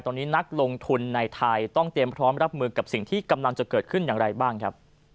ตอนนี้นักลงทุนในไทยต้องเตรียมพร้อมรับมือกับสิ่งที่กำลังจะเกิดขึ้นอย่างไรบ้างครับ